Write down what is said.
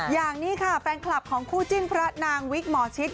อย่างนี้ค่ะแฟนคลับของคู่จิ้นพระนางวิกหมอชิต